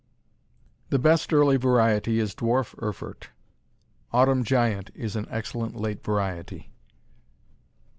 The best early variety is Dwarf Erfurt. Autumn Giant is an excellent late variety.